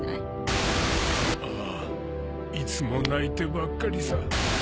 ああいつも泣いてばっかりさ。